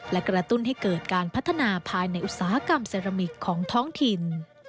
และกระตุ้นให้เกิดการพัฒนาภายในอุตสาหกรรมเซรามิกของท้องถิ่น